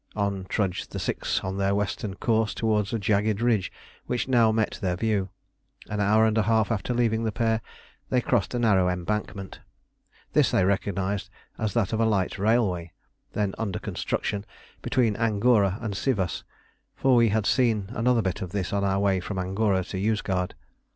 On trudged the six on their western course towards a jagged ridge which now met their view. An hour and a half after leaving the pair they crossed a narrow embankment. This they recognised as that of a light railway, then under construction, between Angora and Sivas, for we had seen another bit of this on our way from Angora to Yozgad.